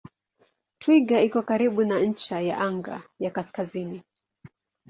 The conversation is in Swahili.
Twiga iko karibu na ncha ya anga ya kaskazini.